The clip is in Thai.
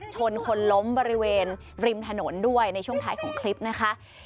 ชนคนล้มบริเวณริมถนนด้วยในช่วงท้ายของคลิปนะคะ